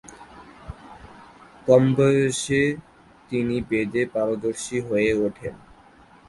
কম বয়সে তিনি বেদে পারদর্শী হয়ে ওঠেন।